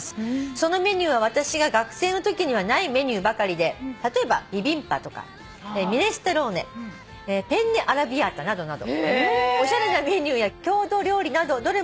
「そのメニューは私が学生のときにはないメニューばかりで例えばビビンパとかミネストローネペンネアラビアータなどなどおしゃれなメニューや郷土料理などどれもおいしそうです」